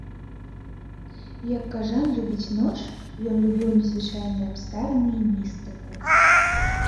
Як кажан любіць ноч, ён любіў незвычайныя абставіны і містыку.